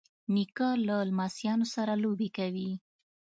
نیکه له لمسیانو سره لوبې کوي.